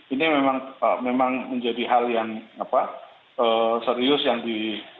ini memang menjadi hal yang serius yang di